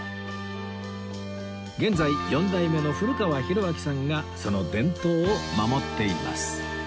現在４代目の古川宏明さんがその伝統を守っています